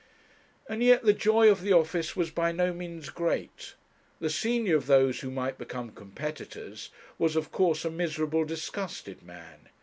And yet the joy of the office was by no means great. The senior of those who might become competitors, was of course a miserable, disgusted man.